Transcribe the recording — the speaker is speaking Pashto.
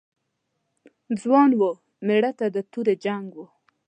ځوان و، مېړه د تورې جنګ و.